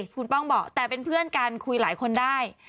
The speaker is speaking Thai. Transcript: คุณป้องบอกแต่เป็นเพื่อนกันคุยหลายคนได้